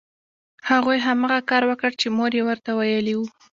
هغوی هماغه کار وکړ چې مور یې ورته ویلي وو